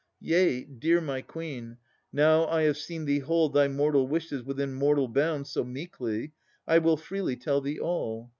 Yea, dear my Queen, now I have seen thee hold Thy mortal wishes within mortal bound So meekly, I will freely tell thee all.